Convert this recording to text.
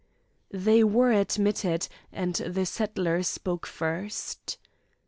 They were admitted, and the settler spoke first.